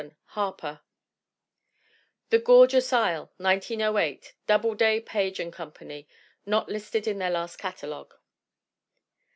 Harper. The Gorgeous Isle, 1908. Doubleday, Page & Com pany. Not listed in their last catalogue.